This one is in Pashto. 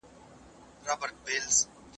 زه هغه خلګ خوښوم چي تل د نورو په درناوي کي وي.